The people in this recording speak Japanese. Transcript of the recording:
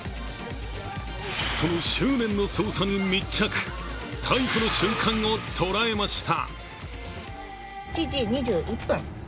その執念の捜査に密着逮捕の瞬間を捉えました。